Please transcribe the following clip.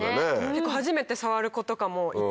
結構初めて触る子とかもいて。